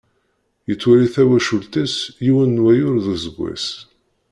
Yettwali tawacult-is yiwen n wayyur deg useggas.